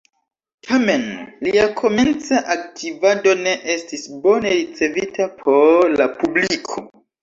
Tamen lia komenca aktivado ne estis bone ricevita por la publiko.